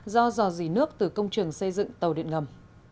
do dò dỉ nước từ công trường xây dựng tàu điện ngầm